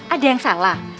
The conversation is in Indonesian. ada yang salah